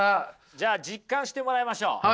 じゃあ実感してもらいましょう。